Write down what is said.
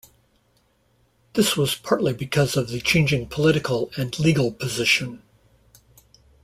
This was partly because of the changing political and legal position.